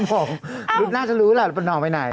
อ้าว้าวนะรุ๊ดน่าจะรู้ล่ะหน่อไปไหน